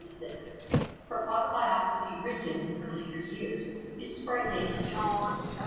Her autobiography, written in her later years, is sprightly and interesting.